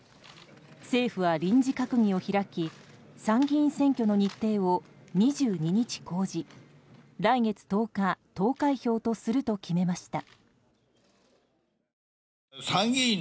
政府は臨時閣議を開き参議院選挙の日程を２２日公示、来月１０日投開票とすると決めました。